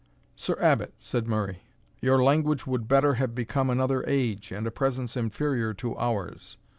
"Sir Abbot," said Murray, "your language would better have become another age, and a presence inferior to ours.